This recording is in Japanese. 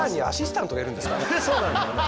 そうなんだよね。